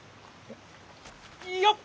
よっ！